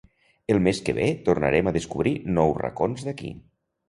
el mes que ve tornarem a descobrir nous racons d'aquí